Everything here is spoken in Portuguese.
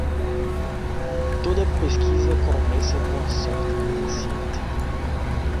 Toda pesquisa começa com a sorte do iniciante.